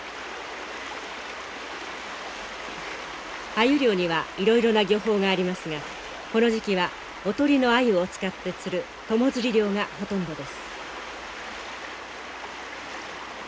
アユ漁にはいろいろな漁法がありますがこの時期はおとりのアユを使って釣る友釣り漁がほとんどです。